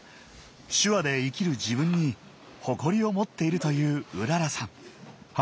手話で生きる自分に誇りを持っているといううららさん。